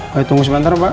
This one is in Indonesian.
pertungus banter pak